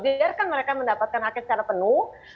biarkan mereka mendapatkan haknya secara penuh